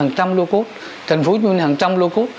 hàng trăm lô cốt thành phố hà nội hàng trăm lô cốt